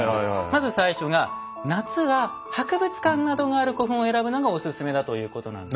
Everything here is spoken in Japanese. まず最初が夏は博物館などがある古墳を選ぶのがおすすめだということなんです。